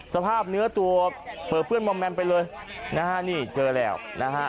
สภาพเนื้อตัวเปลือเปื้อนมอมแมมไปเลยนะฮะนี่เจอแล้วนะฮะ